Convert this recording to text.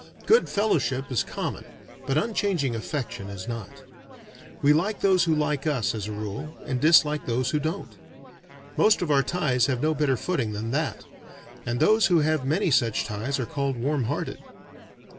Good fellowship is common, but unchanging affection is not. We like those who like us, as a rule, and dislike those who don't. Most of our ties have no better footing than that; and those who have many such ties are called warm hearted.